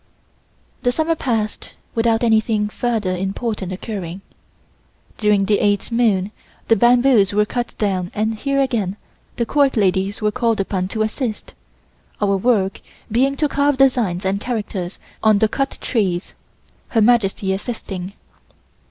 The Summer passed without anything further important occurring. During the eighth moon the bamboos were cut down and here again the Court ladies were called upon to assist, our work being to carve designs and characters on the cut trees, Her Majesty assisting.